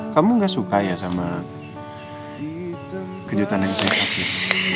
kamu gak suka ya sama kejutan yang saya kasih